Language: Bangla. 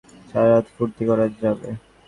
দু-চারটা মেয়ে জোগাড় কর, সারারাত ফুর্তি করা যাবে।